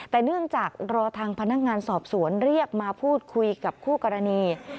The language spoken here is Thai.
แต่เนื่องจากรอทางพนักงานสอบสวนเรียกมาพูดคุยกับคู่กรณี